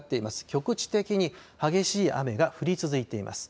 局地的に激しい雨が降り続いています。